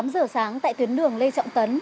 tám giờ sáng tại tuyến đường lê trọng tấn